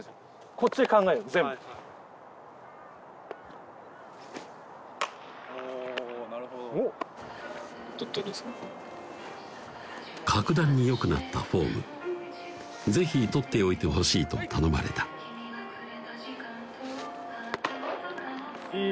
こっちで考える全部はいはいおなるほど各段に良くなったフォーム是非撮っておいてほしいと頼まれたいい！